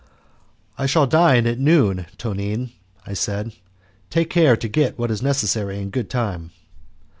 "I shall dine at noon, Tonine," I said, "take care to get what is necessary in good time."